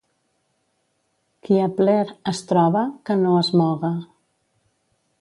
Qui a pler es troba, que no es moga.